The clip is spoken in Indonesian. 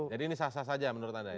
jadi ini sah sah saja menurut anda ya